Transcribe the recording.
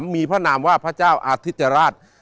มีพระนามว่าพระเจ้าอาทิตราช